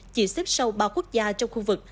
chỉ xếp sau ba quốc gia trong khu vực